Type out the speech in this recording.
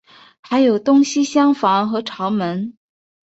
还有东西厢房和朝门。